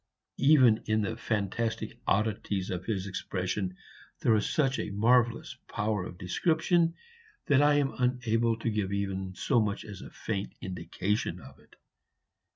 Even in the fantastic oddities of his expression there was such a marvellous power of description that I am unable to give even so much as a faint indication of it.